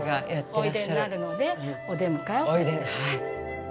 おいでになるので、お出迎えをすると。